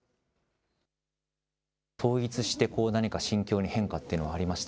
統一して何か心境に変化っていうのはありました？